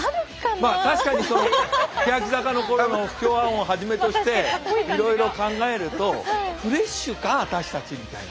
まあ確かにその欅坂の頃の「不協和音」をはじめとしていろいろ考えると「フレッシュか？私たち」みたいな。